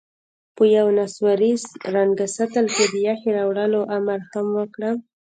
په یوه نسواري رنګه سطل کې د یخې راوړلو امر هم وکړم.